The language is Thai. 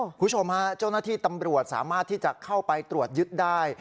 คุณผู้ชมฮะเจ้าหน้าที่ตำรวจสามารถที่จะเข้าไปตรวจยึดได้